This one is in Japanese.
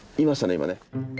今ね。